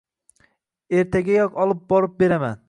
Ertagayoq olib borib beraman